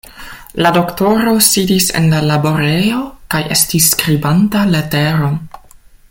La doktoro sidis en la laborejo kaj estis skribanta leteron.